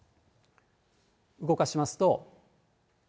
動かしますと。